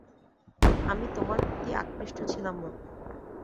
আমি তোমার প্রতি আকৃষ্ট ছিলাম না।